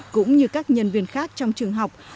cũng như các nhân viên khác trong trường học